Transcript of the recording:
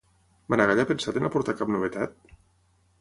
Maragall ha pensat en aportar cap novetat?